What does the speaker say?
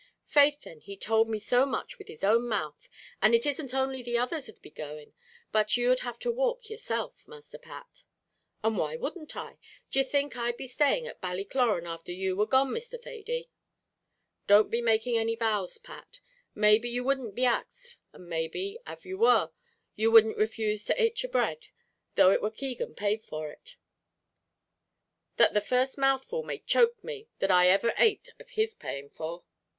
"Faith then, he told me so with his own mouth; and it isn't only the others 'd be going, but you'd have to walk yourself, masther Pat." "And why wouldn't I? D'ye think I'd be staying at Ballycloran afther you war gone, Mr. Thady?" "Don't be making any vows, Pat; maybe you wouldn't be axed, and maybe, av you war, you wouldn't refuse to ate yer bread, though it war Keegan paid for it." "That the first mouthful may choke me that I ever ate of his paying for!"